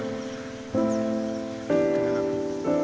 ini memang kenapa